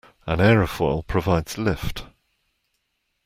An aerofoil provides lift